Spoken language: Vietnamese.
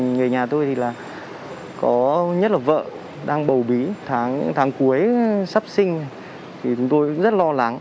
người nhà tôi thì là có nhất là vợ đang bầu bí tháng cuối sắp sinh thì chúng tôi cũng rất lo lắng